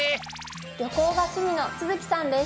旅行が趣味の續さんです。